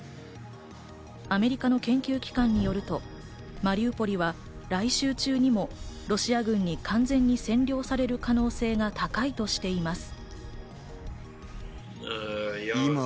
アメリカの研究機関によると、マリウポリは来週中にもロシア軍に完全に占領される可能性が高いとしています。